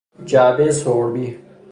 جعبهی سربی